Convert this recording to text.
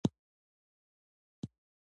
د کامن وایس پښتو رضاکاران د ښو هڅو قدرداني کوي.